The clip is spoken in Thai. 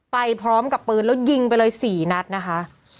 ไปพร้อมกับปืนแล้วยิงไปเลย๔นัดนะคะ